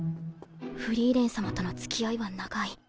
フリーレン様との付き合いは長い